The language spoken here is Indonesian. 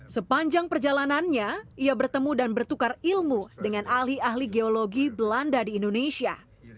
sepanjang perjalanannya ia bertemu dan bertukar ilmu dengan ahli ahli geologi belanda di indonesia